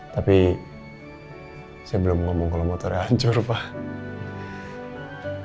tapi saya belum ngomong kalau motornya hancur pak